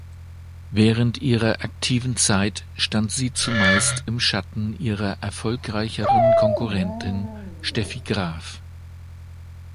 Während ihrer aktiven Zeit stand sie zumeist im Schatten ihrer erfolgreicheren Konkurrentin Steffi Graf.